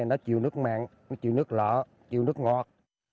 nó chịu nước mặn nó chịu nước lợ chịu nước ngọt